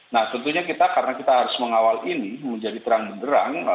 nah tentunya kita karena kita harus mengawal ini menjadi terang benderang